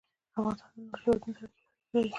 افغانستان له نورو هېوادونو سره ښې اړیکې لري.